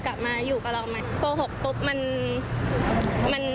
ก็ไม่ได้รู้สึกดีเท่าไหร่ค่ะ